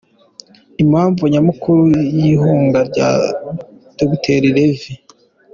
Impamvu nyamukuru y’ ihunga rya Dr. Rev.